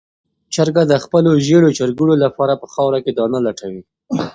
چرګه د خپلو ژېړو چرګوړو لپاره په خاوره کې دانه لټوي.